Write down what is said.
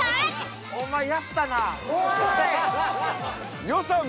お前やったな。